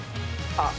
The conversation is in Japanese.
あっ